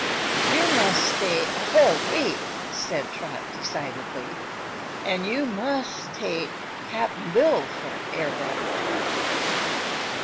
"You mus' stay a whole week," said Trot, decidedly. "An' you mus' take Cap'n Bill for an air ride, too."